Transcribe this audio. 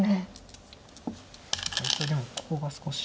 これでもここが少し。